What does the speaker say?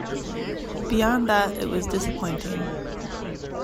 Beyond that it was disappointing.